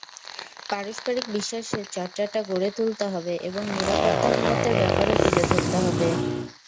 পারস্পরিক বিশ্বাসের চর্চাটা গড়ে তুলতে হবে এবং নিরাপত্তাহীনতার ব্যাপারও তুলে ধরতে হবে।